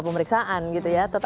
sebuah pemeriksaan gitu ya